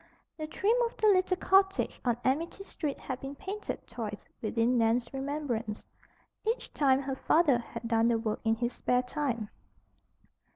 The trim of the little cottage on Amity Street had been painted twice within Nan's remembrance; each time her father had done the work in his spare time.